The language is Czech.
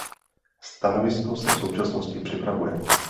Stanovisko se v současnosti připravuje.